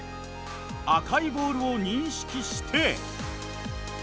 赤いボールを認識して。